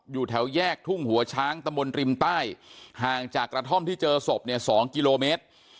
อยู่แถวแยกทุ่งหัวช้างตะมนต์ริมใต้ห่างจากกระท่อมที่เจอศพเนี่ย๒กิโลเมตร